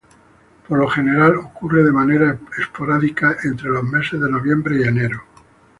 Por lo general ocurre de manera esporádica entre los meses de noviembre y enero.